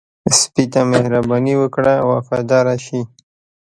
سپي ته مهرباني وکړه، وفاداره شي.